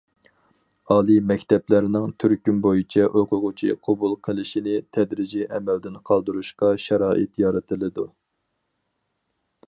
ئالىي مەكتەپلەرنىڭ تۈركۈم بويىچە ئوقۇغۇچى قوبۇل قىلىشىنى تەدرىجىي ئەمەلدىن قالدۇرۇشقا شارائىت يارىتىلىدۇ.